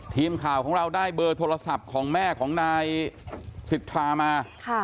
ทีมข่าวของเราได้เบอร์โทรศัพท์ของแม่ของนายสิทธามา